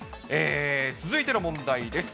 続いての問題です。